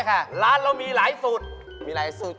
ร้านเรามีหลายสูตรมีหลายสูตร